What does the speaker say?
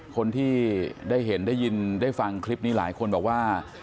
คนที่ได้เห็นได้ยินได้ฟังคลิปนี้หลายคนบอกว่า